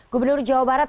gubernur jawa barat